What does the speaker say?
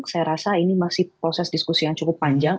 saya rasa ini masih proses diskusi yang cukup panjang